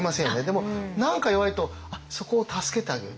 でも何か弱いとそこを助けてあげようと。